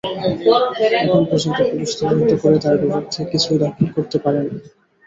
এখন পর্যন্ত পুলিশ তদন্ত করে তাঁর বিরুদ্ধে কিছুই দাখিল করতে পারেনি।